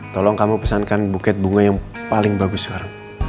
tolong kamu pesankan buket bunga yang paling bagus sekarang